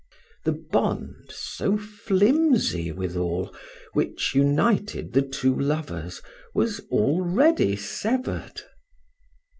The bond, so flimsy withal, which united the two lovers was already severed.